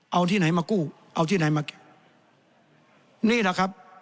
เอาที่ไหนมากู้เอาที่ไหนมานี่แหละครับ